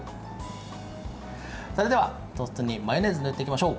それではトーストにマヨネーズを塗っていきましょう。